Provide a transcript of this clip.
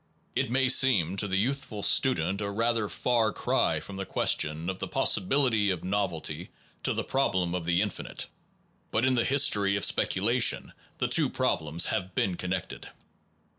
It may seem to the youthful student a rather THE PROBLEM OF NOVELTY far cry from the question of the possibility of novelty to the problem of the infinite, but in the history of speculation, the two problems have been connected.